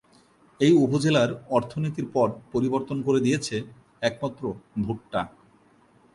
এই উপজেলার অর্থনীতির পট পরিবর্তন করে দিয়েছে একমাত্র ভুট্টা।